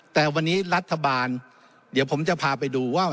แต่วันนี้รัฐบาลเดี๋ยวผมจะพาไปดูว่า